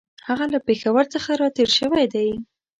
هغه له پېښور څخه را تېر شوی دی.